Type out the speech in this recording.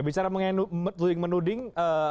bicara mengenai tuding menuding